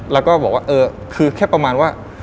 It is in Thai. แล้วก็บอกว่าเออคือแค่ประมาณว่า